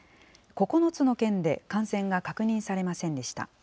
９つの県で感染が確認されませんでした。